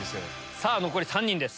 さぁ残り３人です。